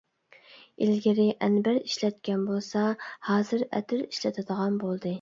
ئىلگىرى ئەنبەر ئىشلەتكەن بولسا، ھازىر ئەتىر ئىشلىتىدىغان بولدى.